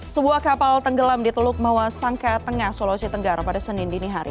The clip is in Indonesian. sebuah kapal tenggelam diteluk mawasangka tengah sulawesi tenggara pada senin dinihari